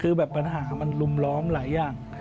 คือแบบปัญหามันลุมล้อมหลายอย่าง